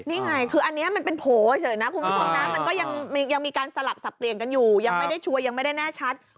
นี่ไงคืออันนี้มันเป็นโผล่เฉยนะ